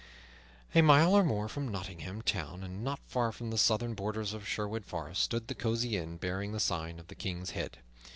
A mile or more from Nottingham Town, and not far from the southern borders of Sherwood Forest, stood the cosy inn bearing the sign of the King's Head.